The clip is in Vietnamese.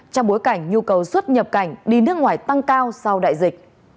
trong bối cảnh nhu cầu xuất nhập cảnh đi nước ngoài tăng cao sau đại dịch